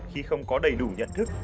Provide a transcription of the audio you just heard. khi không có đầy đủ nhận thức